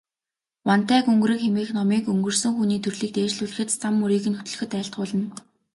Вантай гүнгэрэг хэмээх номыг өнгөрсөн хүний төрлийг дээшлүүлэхэд, зам мөрийг нь хөтлөхөд айлтгуулна.